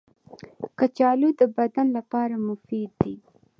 کچالو د بدن لپاره مفید دي